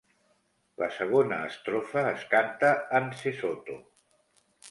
La segona estrofa es canta en sesotho.